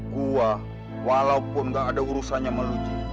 gue walaupun nggak ada urusannya sama lo ji